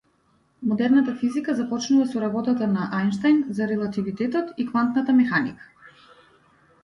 Модерната физика започнува со работата на Ајнштајн за релативитетот и квантната механика.